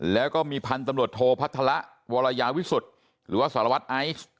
แล้วก็มีพันธุ์ตำรวจโทพัฒระวรยาวิสุทธิ์หรือว่าสารวัตรไอซ์